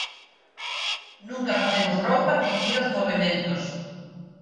Nunca facemos roupa que impida os movementos.